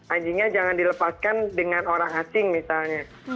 anjingnya jangan dilepaskan dengan orang asing misalnya